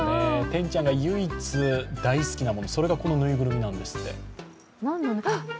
てんちゃんが大好きなもの、それがこのぬいぐるみなんですって。